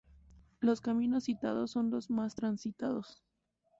Los caminos citados son los más transitados.